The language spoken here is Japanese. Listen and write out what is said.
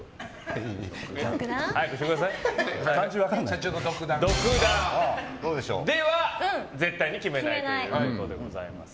社長の独断では、絶対に決めないということでございます。